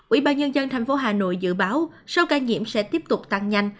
ủy ban nhân dân thành phố hà nội dự báo số ca nhiễm sẽ tiếp tục tăng nhanh